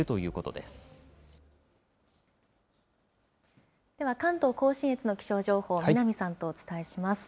では関東甲信越の気象情報、南さんとお伝えします。